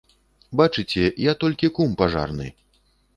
Бачыце, я толькі кум пажарны.